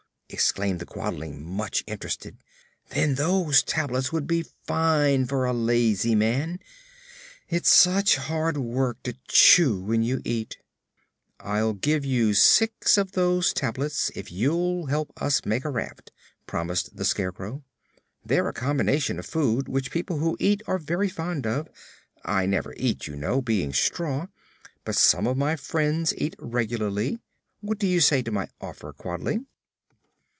exclaimed the Quadling, much interested; "then those tablets would be fine for a lazy man. It's such hard work to chew when you eat." "I'll give you six of those tablets if you'll help us make a raft," promised the Scarecrow. "They're a combination of food which people who eat are very fond of. I never eat, you know, being straw; but some of my friends eat regularly. What do you say to my offer, Quadling?"